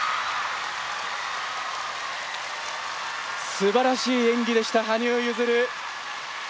すばらしい演技でした羽生結弦。